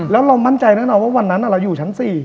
แล้วเรามั่นใจแน่นอนว่าวันนั้นเราอยู่ชั้น๔